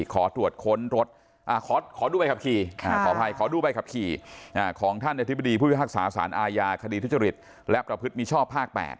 ขอดูใบขับขี่ของท่านอธิบดีผู้พิพักษาสารอาญาคดีทุจริตและประพฤติมีช่อภาค๘